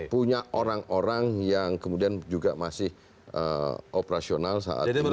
punya orang orang yang kemudian juga masih operasional saat ini